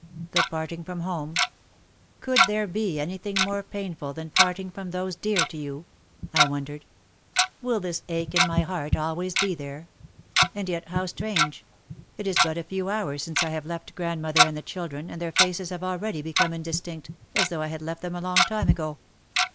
The parting from home! "Could there be any thing more painful than parting from those dear to you? ,, I wondered. "Will this ache in my heart always be there? And yet, how strange! It is but a few hours since I have left grandmother and the children and their faces have already become indistinct, as though I had left them a long time ago.